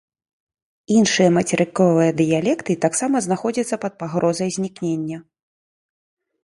Іншыя мацерыковыя дыялекты таксама знаходзяцца пад пагрозай знікнення.